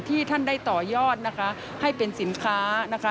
ที่ท่านได้ต่อยอดให้เป็นสินค้า